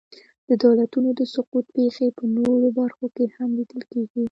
د دولتونو د سقوط پېښې په نورو برخو کې هم لیدل کېږي.